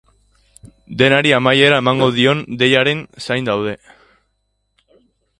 Denari amaiera emango dion deiaren zain daude.